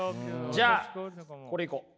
じゃこれいこう。